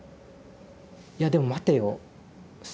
いやでも待てよ。